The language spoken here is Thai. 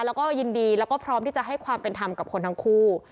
แล้วก็ยินดีแล้วก็พร้อมที่จะให้ความเป็นธรรมกับคนทั้งคู่